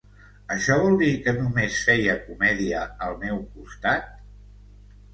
Així vol dir que només feia comèdia, al meu costat?